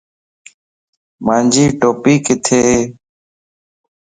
مانجي ٽوپي ڪٿي؟